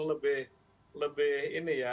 lebih ini ya